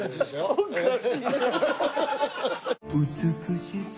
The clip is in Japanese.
おかしいな。